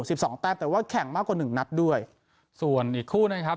สิบสองแต้มแต่ว่าแข่งมากกว่าหนึ่งนัดด้วยส่วนอีกคู่นะครับ